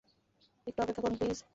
একটু অপেক্ষা করুন, প্লিজ।